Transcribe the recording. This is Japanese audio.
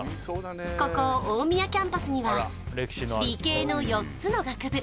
ここ大宮キャンパスには理系の４つの学部